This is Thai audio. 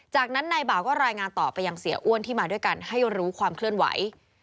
จากนั้นนายบ่าวก็รายงานต่อไปยังเสียอ้วนที่มาด้วยกันให้รู้ความเคลื่อนไหว